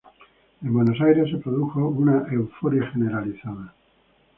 En Buenos Aires se produjo una euforia generalizada.